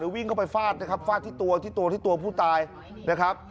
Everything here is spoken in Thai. วิ่งเข้าไปฟาดนะครับฟาดที่ตัวที่ตัวที่ตัวผู้ตายนะครับ